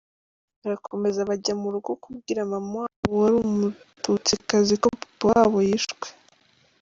Barakomeza bajya mu rugo kubwira mama wabo wari umututsikazi ko papa wabo yishwe.